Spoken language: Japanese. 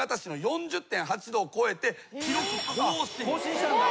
更新したんだ。